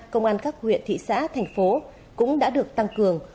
công an các huyện thị xã thành phố cũng đã được tăng cường